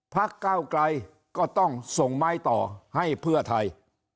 ก้าวไกลก็ต้องส่งไม้ต่อให้เพื่อไทย